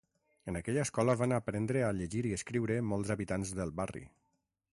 En aquella escola van aprendre a llegir i escriure molts habitants del barri.